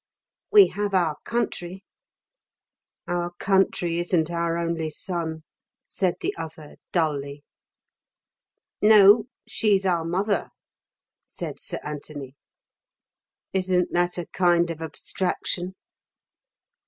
"We have our country." "Our country isn't our only son," said the other dully. "No. She's our mother," said Sir Anthony. "Isn't that a kind of abstraction?"